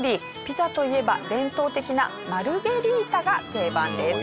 ピザといえば伝統的なマルゲリータが定番です。